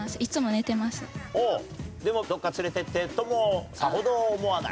でもどこか連れてってともさほど思わない？